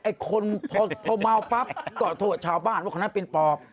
คนพอเมาปั๊บก็โทษชาวบ้านว่าคนนั้นเป็นปอบ